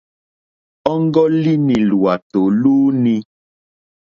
Ɔ́ŋɡɔ́línì lwàtò lúúǃní.